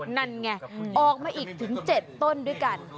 นั่นไงออกมาอีกถึง๗ต้นด้วยกัน